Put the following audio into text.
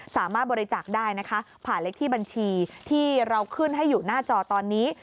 สามารถบริจาคได้นะคะผ่านเลขที่บัญชีที่เราขึ้นให้อยู่หน้าจอตอนนี้